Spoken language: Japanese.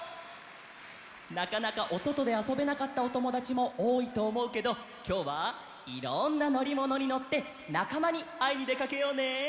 なかなかおそとであそべなかったおともだちもおおいとおもうけどきょうはいろんなのりものにのってなかまにあいにでかけようね！